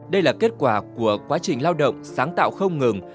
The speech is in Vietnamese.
đây là kết quả của quá trình lao động sáng tạo không ngừng